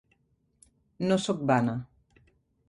No sóc vana.